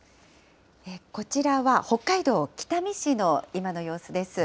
こちらは北海道北見市の今の様子です。